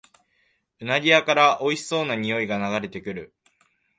うなぎ屋からおいしそうなにおいが流れてくる